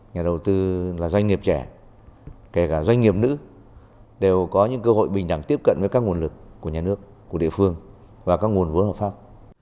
nhà đầu tư là doanh nghiệp trẻ kể cả doanh nghiệp nữ đều có những cơ hội bình đẳng tiếp cận với các nguồn lực của nhà nước của địa phương và các nguồn vốn hợp pháp